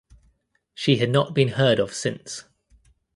She had not been heard of since.